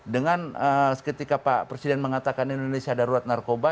dengan ketika pak presiden mengatakan indonesia darurat narkoba